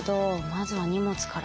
まずは荷物から。